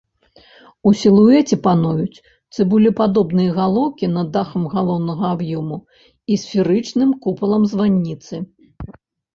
У сілуэце пануюць цыбулепадобныя галоўкі над дахам галоўнага аб'ёму і сферычным купалам званіцы.